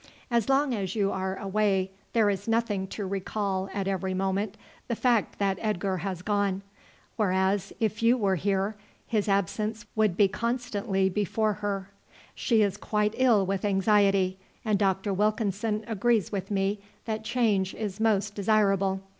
As long as you are away there is nothing to recall at every moment the fact that Edgar has gone, whereas if you were here his absence would be constantly be before her. She is quite ill with anxiety, and Dr. Wilkinson agrees with me that change is most desirable.